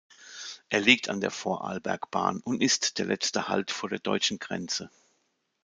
Er liegt an der Vorarlbergbahn und ist der letzte Halt vor der deutschen Grenze.